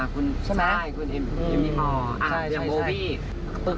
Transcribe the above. คุณอาจจะมีประโยชน์